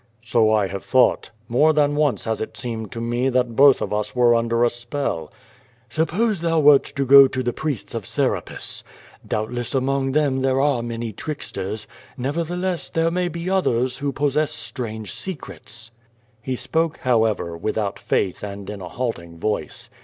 "So I have thought. More than once has it seemed to mo that both of us were under a spell." "Suppose thou wcrt to go to the priests of Scrapis? Doubt less among them there are many tricksters. Nevertheless, there may be others who possess strange secrets." He spoke, however, without faith and in a halting voice.